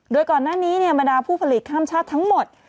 โดยก่อนหน้านี้บรรดาผู้ผลิตข้ามชาติทั้งหมด